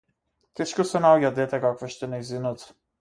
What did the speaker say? Тешко се наоѓа дете какво што е нејзиното.